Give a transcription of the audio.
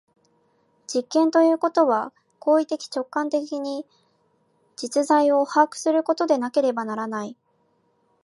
実験ということは行為的直観的に実在を把握することでなければならない。